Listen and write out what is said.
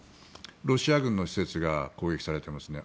ロシア軍の施設が攻撃されてますね。